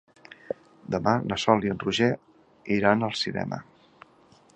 Demà na Sol i en Roger iran al cinema.